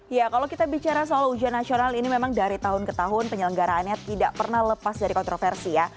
ya kalau kita bicara soal ujian nasional ini memang dari tahun ke tahun penyelenggaraannya tidak pernah lepas dari kontroversi ya